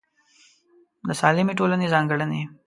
د سالمې ټولنې ځانګړنې